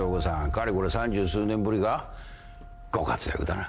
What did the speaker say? かれこれ三十数年ぶりかご活躍だな。